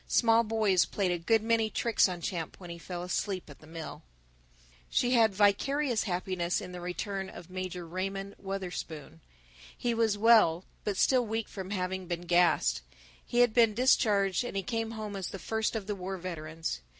Small boys played a good many tricks on Champ when he fell asleep at the mill. II She had vicarious happiness in the return of Major Raymond Wutherspoon. He was well, but still weak from having been gassed; he had been discharged and he came home as the first of the war veterans.